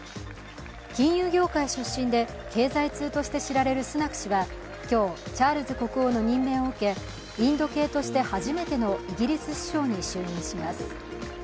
金融業界出身で経済通として知られるスナク氏は今日、チャールズ国王の任命を受けインド系として初めてのイギリス首相に就任します。